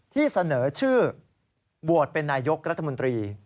ที่เสนอชื่อโหวตเป็นนายกรัฐมนตรี